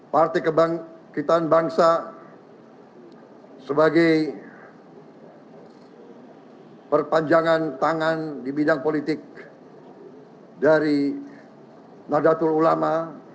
partai kebangkitan bangsa sebagai perpanjangan tangan di bidang politik dari nadatul ulama